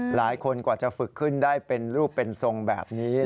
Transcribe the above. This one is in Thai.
หลายคนกว่าจะฝึกขึ้นได้เป็นรูปเป็นทรงแบบนี้